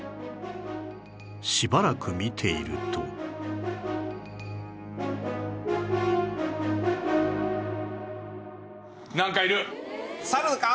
しばらく見ているとサルか？